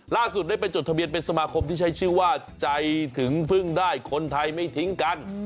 ล่าสุดได้ไปจดทะเบียนเป็นสมาคมที่ใช้ชื่อว่าใจถึงพึ่งได้คนไทยไม่ทิ้งกัน